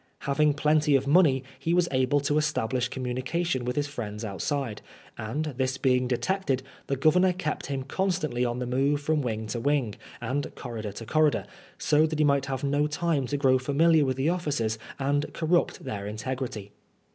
Having plenty of money, he was able to establish com munication with his friends outside ; and this being detected, the Governor kept him constantly on the move from wing to wing, and corridor to corridor, so that he might beive no time to grow familiar with the officers and corrupt their integrity.